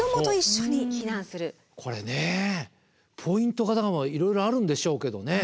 これねポイントがいろいろあるんでしょうけどね。